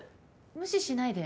無視しないで。